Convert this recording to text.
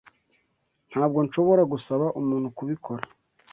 Ntabwo nshobora gusaba umuntu kubikora.